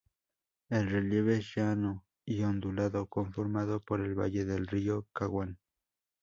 El relieve es llano y ondulado conformado por el valle del río Caguán.